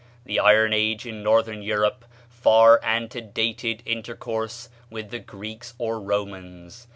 The Iron Age in Northern Europe far antedated intercourse with the Greeks or Romans.